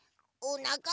おなか？